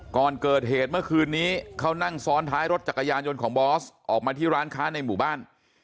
ก่อนเกิดเหตุเมื่อคืนนี้เขานั่งซ้อนท้ายรถจักรยานยนต์ของบอสออกมาที่ร้านค้าในหมู่บ้าน